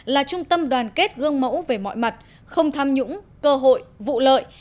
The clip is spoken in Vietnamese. là trung tâm đoàn kết gương mẫu về mọi mặt không tham nhũng cơ hội vụ lợi